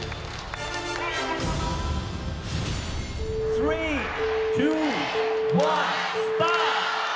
３・２・１スタート！